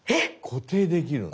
固定できるんだ。